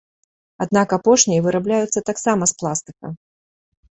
Аднак апошнія вырабляюцца таксама з пластыка.